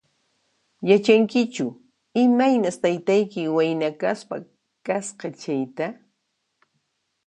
Yachankichu imaynas taytayki wayna kaspa kasqa chayta?